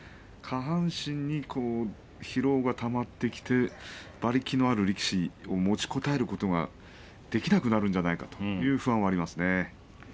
下半身に疲労がたまってきて馬力のある力士に持ちこたえることができなくなるんじゃないかという不安がありますね。